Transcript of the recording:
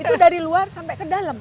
itu dari luar sampai ke dalam